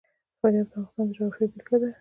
فاریاب د افغانستان د جغرافیې بېلګه ده.